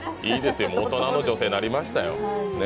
いいですよ、大人の女性になりましたよ。